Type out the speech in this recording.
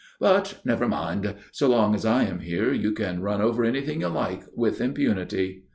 "But never mind. So long as I am here you can run over anything you like with impunity."